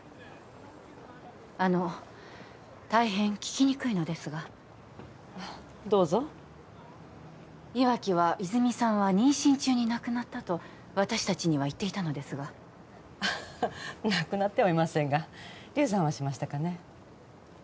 あの大変聞きにくいのですがどうぞ岩城は泉美さんは妊娠中に亡くなったと私達には言っていたのですが亡くなってはいませんが流産はしましたかね